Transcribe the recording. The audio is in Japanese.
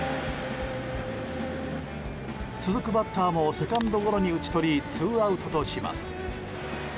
続くバッターもセカンドゴロに打ち取りツーアウトとします。